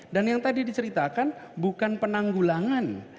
yang tadi diceritakan bukan penanggulangan